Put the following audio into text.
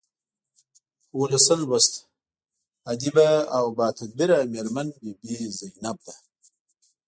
اوولسم لوست ادیبه او باتدبیره میرمن بي بي زینب ده.